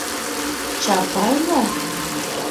Чапай мо?